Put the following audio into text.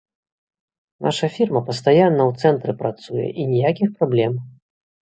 Наша фірма пастаянна ў цэнтры працуе, і ніякіх праблем.